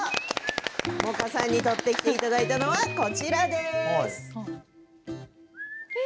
萌歌さんに撮ってきていただいたのはこちらです。